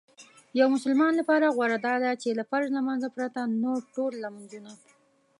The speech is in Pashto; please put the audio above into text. یو مسلمان لپاره غوره داده چې له فرض لمانځه پرته نور ټول لمنځونه